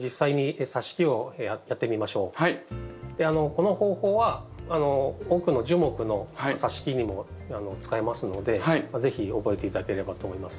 この方法は多くの樹木のさし木にも使えますので是非覚えて頂ければと思います。